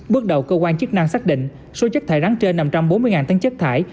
bước đầu cơ quan chức năng xác định số chất thải rắn trên năm trăm bốn mươi tấn chất thải